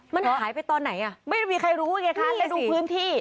มันหายไปตอนไหนอ่ะไม่ได้มีใครรู้ไงคะเลยดูพื้นที่